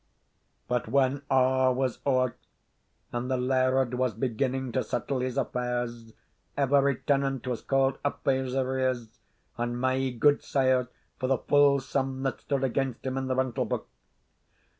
But when a' was ower, and the laird was beginning to settle his affairs, every tenant was called up for his arrears, and my gudesire for the full sum that stood against him in the rental book.